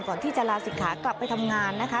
ก่อนที่จะลาศิกขากลับไปทำงานนะคะ